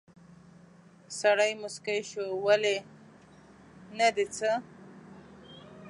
سړی موسکی شو: ولې، نه دي څه؟